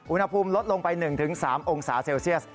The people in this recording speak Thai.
อุณหภูมิลดลงไป๑๓องศาเซลเซียส